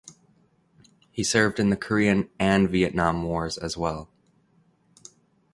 He served in the Korean and Vietnam Wars as well.